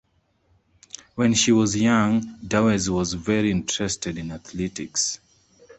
When she was young, Dawes was very interested in athletics.